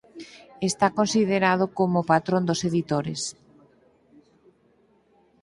Está considerado como patrón dos editores.